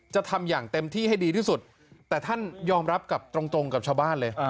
จะทำอย่างเต็มที่ให้ดีที่สุดแต่ท่านยอมรับกับตรงกับชาวบ้านเลย